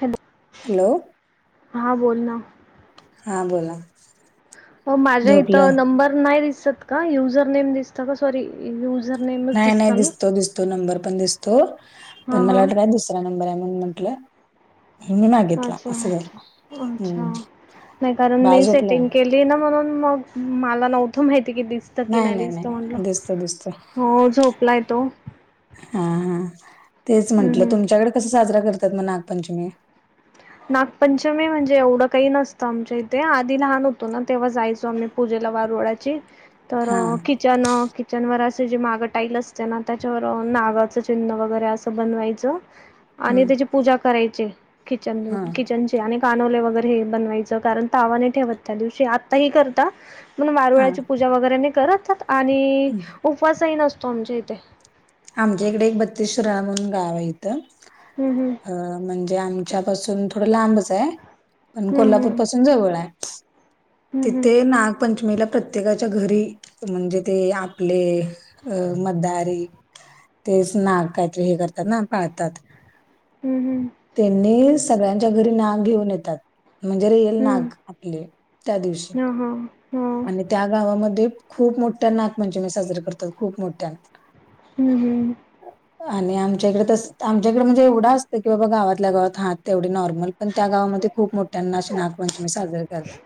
Hello! Hello! हां बोल ना हा बोला. हो माझ्या झोपलं इथं नंबर नाही दिसत का? युझर नेम दिसत- सॉरी युझर नेमच दिसता ना? तो नंबर पण दिसतो हा पण मला हा वाटलं नाय दुसरा नंबर आहे म्हणून म्हटलं, अच्छा अच्छा हम्म नाही कारण बाळ मी झोपलं सेटिंग केली. केली न म्हणून मग मला नव्हतं माहिती की दिस- दिसत की नाही म्हटलं हो झोपला य तो हा हा तेच हम्म म्हंटलं हम्म तुमच्याकडे कसं साजरा करतात मग नागपंचमी? नागपंचमी म्हणजे एवढं काही नसतं आमच्या इथे आधी लहान होतो ना तेव्हा जायचो आम्ही. पूजेला वारूळाची तर हा किती- किचन -किचन वर असे जे मागं टाईल असते ना त्याच्यावर नागाचं चिन्ह वगैरे असं बनवायच आणि हम्म त्याची पुजा करायची किचन हा किचनची आणि कानव्हले वगैरे हे बनवायच कारण तावा‌ नाही ठेवत त्या दिवशी आता ह करता, म्हणून हा वारुळ्याची पूजा वगैरे नाही करत आणि हम्म. उपवासही नसतो आमच्या इथे. आमच्या इकडे एक बत्तीस शिराळा म्हणुन गाव आहे इथं. हम् हम् अ म्हणजे आमच्या पासून थोडं लांबच आहे पण हम्म कोल्हापूर हम्म पासून जवळ आहे. हम्म तिथे हम्म नागपंचमीला प्रत्येक, प्रत्येकाच्या घरी म्हणजे ते आपले मदारी तेच नाग काहीतरी हे करतात ना पाळतात. हम् हम्म त्यांनी सगळ्यांच्या घरी नाग घेऊन येतात. म्हणजे रिअल नाग आपले त्या दिवशी. ह हा हा हा आणि त्या गावामध्ये खूप मोठ्या नागपंचमी साजरे करतात खूप मोठ्याने. हम्म हम आणि आमच्या इकडे तस आमच्याकडे म्हणजे एवढं असतं की बाबा गावातल्या गावात हा तेवढे नॉर्मल पण त्या गावामध्ये खूप मोठ्यांना अशी नागपंचमी साजरे करतात.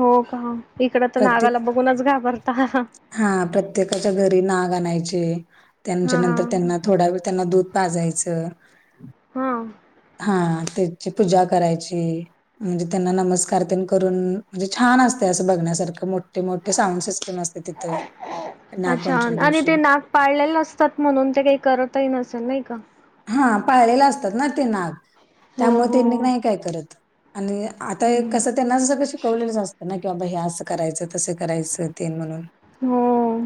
हो का इकड तर प्रत्येक नागाला बघूनच घाबरता हं हं. हा प्रत्येकाच्या घरी नाग आणायचे त्यांच्या हा नंतर त्यांना थोडा वेळ त्यांना दूध पाजायचं हा हा ते, पूजा करायची म्हणजे त्यांना नमस्कार येन करून म्हणजे छान असतं, असं बघण्यासारखं मोठे मोठे सांउड सिस्टम असते. तिथं अच्छा नागपंचमी आणि दिवशी ते नाग पाळलेले असतात, म्हणून ते काही करतही नसेल नाही का? हा पाळलेले असतात ना ते नाग हो त्यामुळे हो त्यांनी नाही काय करत. आणि आता हम्म कसं त्यांना सगळ शिकवलेलं असतं नाही का. किंवा बाबा हे असं करायचं तसं करायचं ते म्हणून- हो हो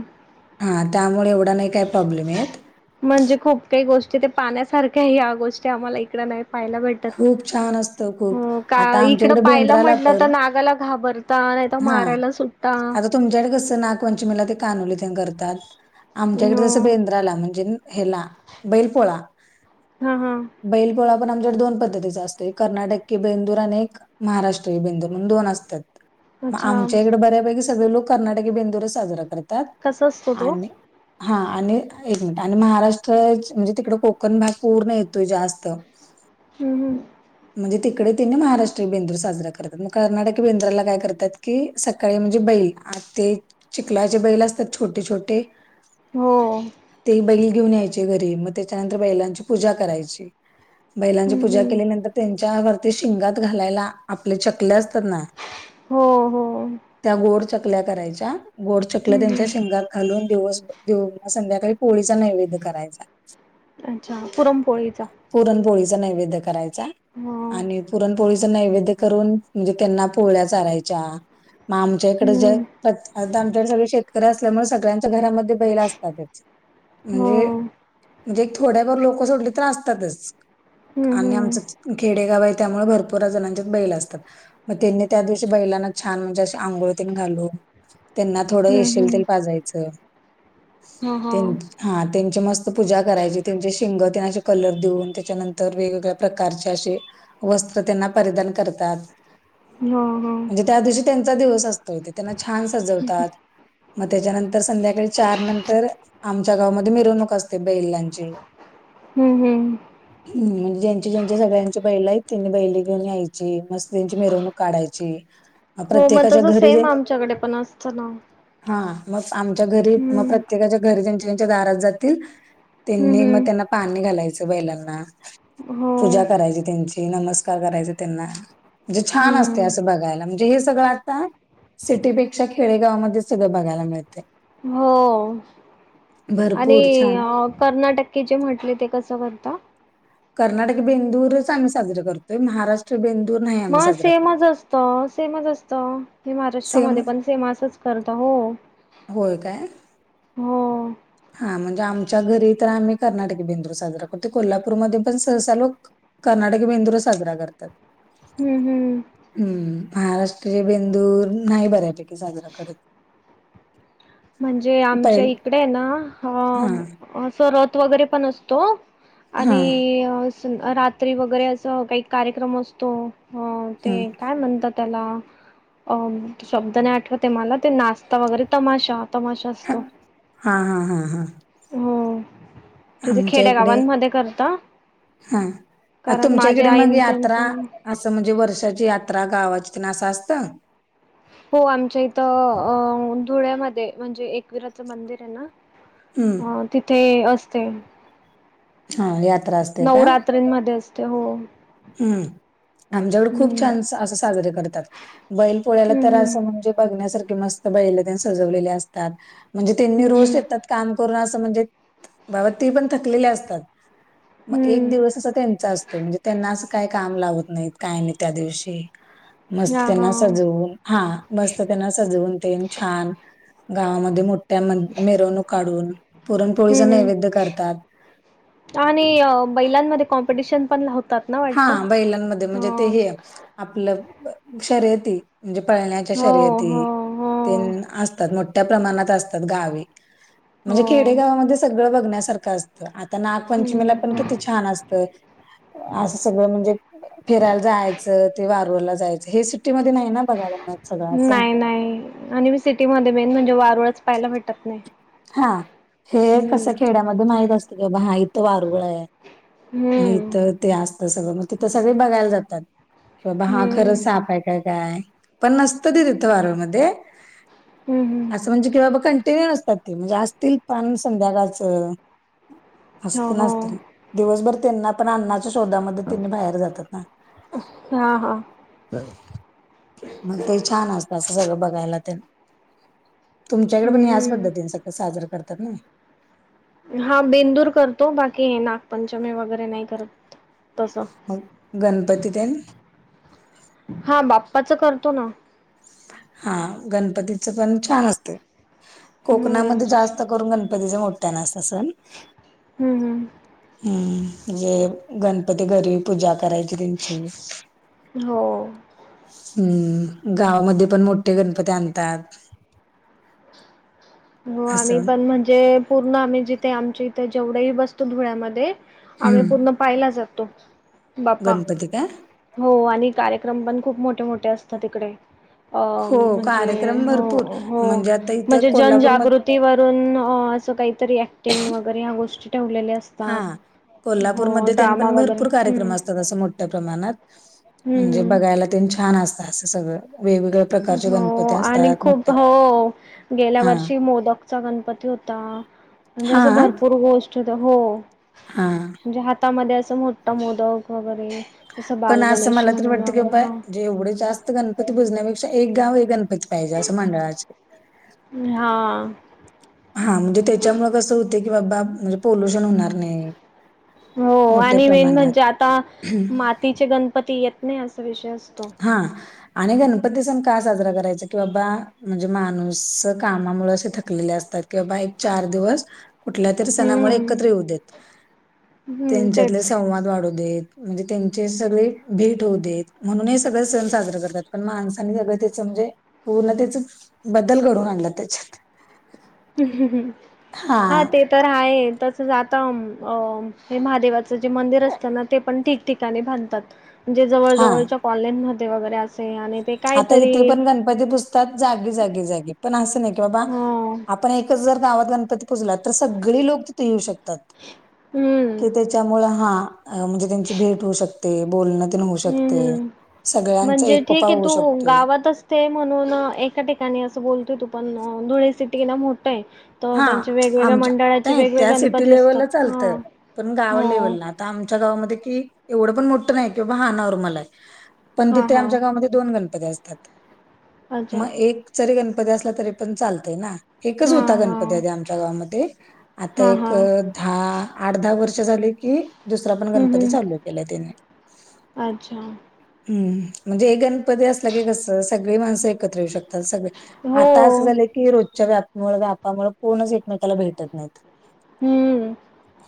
हा त्यामुळे एवढा नाही काय प्रॉब्लेम येत. म्हणजे खूप काही गोष्टी ते पाहण्यासारख्या आहे या गोष्टी आम्हाला इकडं नाही पाहाला भेटत. खूप छान असतं खूप हो का आता इकडं आमच्याकडे पाहिलं बेंद्राला म्हटलं पण तर नागाला घाबरत, ता नाही त हा मारायला सुद्धा आता तुमच्याकडे कसं नागपंचमीला ते कानोले ते करतात. आमच्याकडे हो तसं बेंद्राला म्हणजे हेला बैलपोळा. हा हा बैल पोळा पण आमच्याडे दोन- पद्धतीचा असतो कर्नाटकीय बेंदूर आणि एक महाराष्ट्रीय बेंदूर म्हणून दोन असतात. मग अच्छा आमच्या इकडे बऱ्यापैकी सगळे लोक कर्नाटकी बेंदूर साजरा करतात. कसा असतो तो आणि, हा आणि एक मिनिट आणि महाराष्ट्र म्हणजे तिकड कोकण भाग पूर्ण येतोय जास्त- हम् म्हणजे तिकडे तिन महाराष्ट्रीय बेंदूर साजरा करतात, मग कर्नाटक बेंद्रराला काय करतात की सकाळी म्हणजे बैल- आ ते चिखलाचे बैल असतात छोटे छोटे हो ते बैल घेऊन यायचे घरी, मग त्याच्यानंतर बैलांची पूजा करायची बैला- हम्म पूजा हम्म केल्या नंतर त्यांच्या वरती शिंगात घालायला आपले चकले असतात ना हो हो त्या गोड चकल्या करायच्या गोड चकल्या हम्म त्यांच्या हम्म शिंगात, खालून दिवस संध्याकाळी पोळीचा नैवेद्य करायचा. अच्छा! पुरनपोळीचा? पुरणपोळीचा नैवेद्य करायचा हो आणि, पुरणपोळीच नैवेद्य करून म्हणजे त्यांना पोळ्या चरायच्या म आमच्याकडे जे हम्म तात आता आमच्याडे सगळे शेतकरी असल्यामुळे सगळ्यांच्या घरामध्ये बैल असतातच हो म्हणजे, म्हणजे थोड्याभर लोक सोडली तर असतातच. हम्म आणि हम्म आमचं खेडेगाव आहे, त्यामुळे भरपूर जणांच्या बैल असतात. म त्यांनी त्या दिवशी बैलांना छान म्हणजे अशे आंघोळतीन घालू त्यांना थोडं हम्म येशील तेल हम्म पाजायचं. हा हा त्यानंतर, हा त्यांची मस्त पूजा करायची त्यांचे शिंग ते आशे कलर देऊन त्याच्यानं तर वेगवेगळ्या प्रकारचे अशे वस्त्र त्यांना परिधान करतात. हो हो म्हणजे त्या दिवशी त्यांचा दिवस असतोय, ते त्यांना छान सजवतात. म त्याच्यानंतर संध्याकाळी चार नंतर आमच्या गावमध्ये मिरवणूक असते बैलांची. हम्म हम्, हम् म्हणजे ज्यांची ज्यांची सगळ्यांचे बैला आहेत, त्यांनी बैलं घेऊन यायची मस्त त्यांची मिरवणूक काढायची. [inaudible] हो म तसं घरी जे सेम आमच्याकडे पण असत ना. हा मग आमच्या घरी मग हम्म प्रत्येकाच्या घरी त्यांच्या त्यांच्या दारात जातील हम्म त्यांनी म त्यांना हम्म पाणी घालायचं बैलांना. हो पूजा करायची त्यांची नमस्कार करायचा त्यांना म्हणजे छान अस ते हम्म असं बघायला म्हणजे हे सगळं आता सिटीपेक्षा खेडेगावामध्ये सगळं बघायला मिळतं. हो आणि भरपूर छान अं कर्नाटक की जे म्हटले ते कसं करता? कर्नाटकी बेंदूरच आम्ही साजरा कर ते महाराष्ट्र बेंदूर नाही. मा आम्ही साजरा करत सेमच असतं, सेमच असतं हे महाराष्ट्रामध्ये पण सेम आसच करतात हो. होय का? हो, हा म्हणजे आमच्या घरी तर आम्ही, कर्नाटकी बेंदूर साजरा करतोय कोल्हापूरमध्ये पण सहसा लोक कर्नाटक बेंदूर च साजरा करतात. हम्म- हम्, हम्म, महाराष्ट्रीय बेंदूर नाही, बऱ्यापैकी साजरा करत. म्हणजे आमच्या पहि इकडे ना हा असं रथ वगैरे पण असतो. हा आणि अं स रात्री वगैरे असं काही कार्यक्रम असतो, हं अ ते हा काय म्हणतात? त्याला अ शब्द नाही आठवत ते मला ते नाचता वगैरे तमाशा, तमाशा स हं, हा, हा, हा, हा हम्म, तिथे आमच्या खेड्या इकडे गावांमध्ये करता, हा अ कारण तुमच्या इकडे माझ्या मग आईनं त्यांच यात्रा असं म्हणजे वर्षाची यात्रा गावाची ना असं असतं. हो आमच्या इथं अ धुळ्यामध्ये म्हणजे एकवीराचं मंदिर आहे ना. हम्म हो तिथे असते. हा यात्रा असते का नवरात्रीन मध्ये असते हो. आमच्याकडं खूप हम्म छान सा आसं साजरे करतात. बैल पोळ्याला हम्म तर हम्म असं म्हणजे बघण्यासारखे मस् स्त बैल त्या सजवलेले आसतात म्हणजे तेंनी हम्म रोज हम्म शेतात काम करून आसं म्हणजे बाबा ती पण थकलेली आसतात. मग एक हम्म दिवस असं त्यांचा असतोय, म्हणजे त्यांना असं काही काम लावत नाहीत काय नाई त्या दिवशी. मस्त हा हा त्यांना सजवून हा मस्त त्यांना सजवून ते छान गावामध्ये मोट त्याम मिरवणूक काढून, पुरणपोळीचा हम्म हम्म नैवेद्य करतात. आणि अ बैलानमध्ये कॉम्पिटिशन पण हो होतात ना वाटतं हां बैलानमध्ये म्हणजे ते हे आपलं शर्यती. म्हणजे पळण्याच्या हो शर्यती हो हो ते न आसतात मोठ्या प्रमाणात आसतात गावी. हो म्हणजे खेडेगावामध्ये सगळं बघण्यासारखं असतं. आता नागपंचमीला पण किती हम्म छान असतं. तर आसं सगळं म्हणजे फिरायला जायचं ते वारूरला जायचं हे सिटीमध्येध्य नाही ना बघायला मिळत. सगळं असं नाई नाई आणि म सिटीमधे मेन म्हणजे वारूळच पाहायला भेटत नाई. हां हे कसं खेड्यामध्ये माहित असतं की बाबा हा इथं वारुळ आहे. मग हम्म. इथं ते आसत सगळ मग तिथं सगळे बघायला जातात कि बा हा खर हम्म साप आहे काय. काय पण नसतं ती तिथं वारूळ मध्ये हम्म हम्म आसं म्हणजे कि बाबा कंटिन्यू नसतात. जासतील पान संध्याकाळच असं हो तेन हो असंतय. दिवसभर त्यांना पण आन्नाच्या शोधामध्ये त्यांनी बाहेर जातात ना. हां हां मग ते छान आसत सगळं बघायला तेन, तुमच्याकडे पण याच हम्म पद्धतीने सग, साजरा करतात ना? हां बेंदूर करतो. बाकी हे नागपंचमी वगैरे नाही करत. तसं मग गणपती तेन? हां बाप्पाच करतो ना. हा गणपतीच पण छान असते, हम्म कोकणामध्ये जास्त करून गणपतीचा मोठ्यान असतं सन. हम्म हम्. हम्म म्हणजे गणपती घरी पूजा करायची त्यांची. हो. हम्म गावामध्ये पण मोठे गणपती आनतात. हो आम्ही असं पण म्हण जे पूर्ण आम्ही जिथे आमच्या इथे जेवढेही बसतो धुळ्यामध्ये आम्ही हम्म पूर्ण पाहिला जातो बप्पा. होति का? हो आणि कार्यक्रम पण खूप मोठे मोठे असतात ईकडे. अ हो म्हणजे कार्यक्रम हो भरपूर हो म्हणजे आता इथं म्हणजे जनजागृ कोल्हापूरमध्ये ती वरून अ असं काहीतरी ऍक्टिंग वगैरे ह्या गोष्टी टेवलेले हा असतात हो ड्रामा वगैरे हम. तर असं मोठ्या प्रमाणात म्हणजे, हम्म बगायला तेन छान आसतं आसं सगळं वेगवेगळं. हो आणि खूप हो. गेल्या हा वर्षी मोदकचा गणपती होता. म्हणजे हा असं भरपूर गोष् [unintelligible] हो हा. म्हणजे हातामध्ये असं मोट्ट मोदक वगैरे तसं बालगणेश म्हणून वगैरे हा म्हणजे एवढे जास्त गणपती बुजण्यापेक्षा. एक गाव हे गणपती पाहिजे असं मंडळाचे. हा हा म्हणजे त्याच्यामुळे कसं होत की बाबा म्हणजे पोल्युशन होणार नाही, हो मोठ्या आणि मेन प्रमाणात. म्हणजे आता मातीचे गणपती येत नाही असा विषय असतो. हां आणि गणपती सण का साजरा करायचा की बाबा म्हणजे माणूस कामामुळे असे थकलेले असतात, कि बाबा एक चार दिवस कुठल्या तरी सणामुळे हम्म एकत्र येऊ देत, हम्म त्यांच्यातले तेच संवाद वाढू देत म्हणजे त्यांचे सगळे भेट होउदेत म्हणूनच, सगळ सण साजरा करतात, पण माणसानी सगळं त्याच म्हणजे पूर्णच बदल घडून आणला त्याच्यात हम्म हम् हम्म हा ते तर आहे तस जात हे महादेवाचं जे मंदिर असतं ना ते पण ठीक ठिकाणी बाणतात म्हणजे, हा जवळवच्या कॉले म वगैरे असे आणि आता इथे काहीतरी पण गणपती पुजतात जागी जागी जागी पण असं नाही की बाबा हो आपण एकच जर गावात गणपती पुजला तर सगळे लोक तिथे येऊ शकात तात, हम्म कि त्याच्यामुळे हा म्हणजे त्यांची भेट होऊ शकते, बोल होऊ हम्म शकतंय, हम्म सगळ्यांच्या म्हणजे एकोपी ठीक आहे तू गाव तेच म्हणून एका ठिकाणी असं बोलतोय तू पण धुळे सिटीला मोठ आहे, तर हा त्यांचे वेगवेगळ्या आमच्या मंडळाचे नाही वेगवेगळे त्या सिटी गणपती लेव्हल असतात चालतं हा पण गाव हो लेव्हलला आता आमच्या गावामध्ये कि एवढं पण मोठं नाही, कि बा हा नर्मल आहे पण हा तिथे हा आमच्या गावामध्ये, दोन गणपती असतात, अच्छा मग एक जरी गणपती असला तरी पण चालतय ना. एकच हा होता हा गणपती आधी आमच्या गावामध्ये, आता हा एक हा दहा आठ दहा वर्ष झाली की दुसरा पण हम्म गणपती हम्म चालू केला तेणे [unintelligible] अच्छा हम्म, म्हणजे एक गणपती असला की कस सगळी माणसं एकत्र येऊ शकतात, सगळे हो आता असं झालं की रोजच्या व्यापमुळे व्यापामुळे कोणच एकमेकाला भेटत नाहीत. हम्म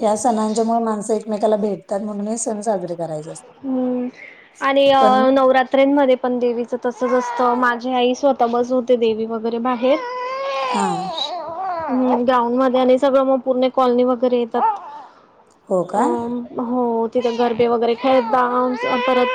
या सणांच्या मु माणसं एकमेकाला भेटतात, म्हणून हे सण साजरे करायचे असतात. हम्म आणि पण अ नवरात जत्रेमध्ये पण देवीच तसच असतं, माझी आई स्वतःबसवत होती देवी वगैरे बाहेर हा ह् ग्राउंड मध्ये आणि सगळं मग पूर्ण कॉलनी वगैरे येतात. हो अ का! हो तिथे गरबे वगैरे खेळता परत